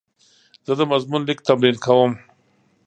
زه د مضمون لیک تمرین کوم.